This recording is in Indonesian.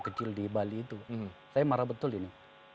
kecil di bali itu saya marah betul ini